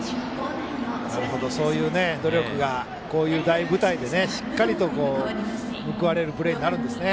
そういう努力がこういう大舞台でしっかりと報われるプレーになるんですね。